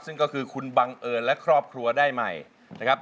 ซึ่งก็คือคุณบังเอิญและครอบครัวได้ใหม่นะครับ